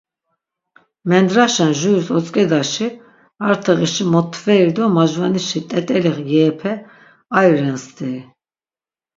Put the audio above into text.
Mendraşen juris otzǩedaşi, arteğişi motveri do majvanişi t̆et̆eli yeepe ari ren steri...